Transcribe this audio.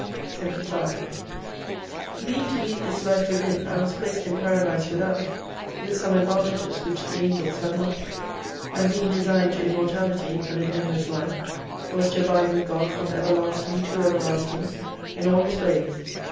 75 Being to lead this Life within, I was placed in Paradise without, with some advantages which the Angels have not. And being designed to immortality and an endless life, was to abide with God from everlasting to ever lasting in all His ways.